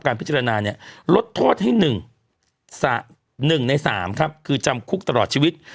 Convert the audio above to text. พิจารณาเนี่ยลดโทษให้๑ใน๓ครับคือจำคุกตลอดชีวิต